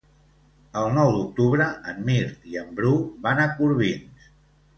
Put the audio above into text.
El nou d'octubre en Mirt i en Bru van a Corbins.